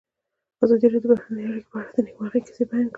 ازادي راډیو د بهرنۍ اړیکې په اړه د نېکمرغۍ کیسې بیان کړې.